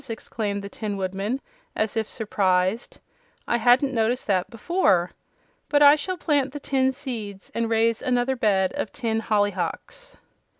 exclaimed the Tin Woodman, as if surprised. "I hadn't noticed that before. But I shall plant the tin seeds and raise another bed of tin hollyhocks."